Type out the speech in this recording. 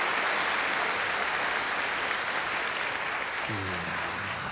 いや。